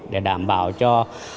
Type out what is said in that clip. để đảm bảo cho